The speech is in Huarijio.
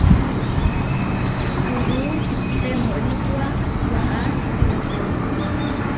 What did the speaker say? Kuú temóripua waʼá eikó.